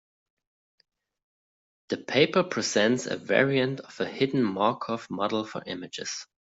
The paper presents a variant of a hidden Markov model for images.